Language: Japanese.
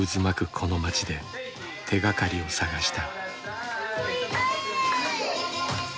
この街で手がかりを探した。